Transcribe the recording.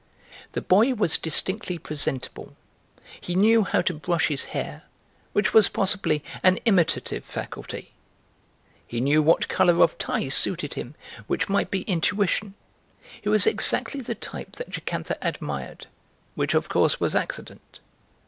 The boy was distinctly presentable; he knew how to brush his hair, which was possibly an imitative faculty; he knew what colour of tie suited him, which might be intuition; he was exactly the type that Jocantha admired, which of course was accident.